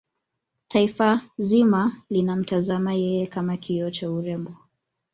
taifa zima linamtazama yeye kama kioo cha urembo